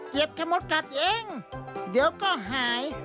แค่มดกัดเองเดี๋ยวก็หาย